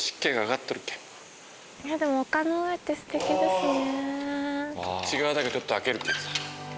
こっち側だけちょっと開ける。